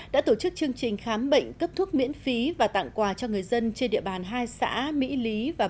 đã tổ chức chương trình khám bệnh cấp thuốc miễn phí và tặng quà cho người dân trên địa bàn hai xã mỹ lý và